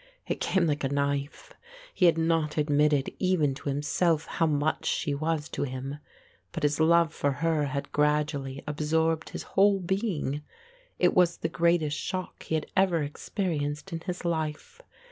It came like a knife. He had not admitted even to himself how much she was to him; but his love for her had gradually absorbed his whole being. It was the greatest shock he had ever experienced in his life.